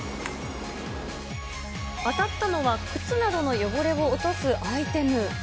当たったのは、靴などの汚れを落とすアイテム。